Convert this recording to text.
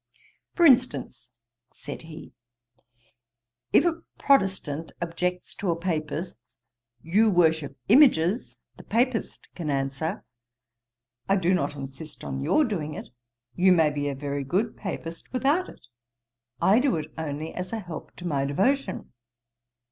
'For instance, (said he,) if a Protestant objects to a Papist, "You worship images;" the Papist can answer, "I do not insist on your doing it; you may be a very good Papist without it: I do it only as a help to my devotion."'